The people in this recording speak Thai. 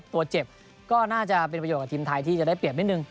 ตัวเจ็บก็น่าจะเป็นประโยชนกับทีมไทยที่จะได้เปรียบนิดนึง